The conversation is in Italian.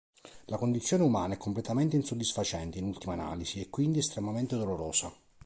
La condizione umana è completamente insoddisfacente, in ultima analisi, e quindi estremamente dolorosa.